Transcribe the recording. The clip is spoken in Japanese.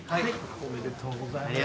おめでとうございます。